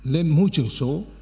lên môi trường số